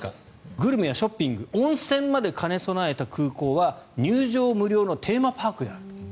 グルメやショッピング温泉まで兼ね備えた空港は入場無料のテーマパークである。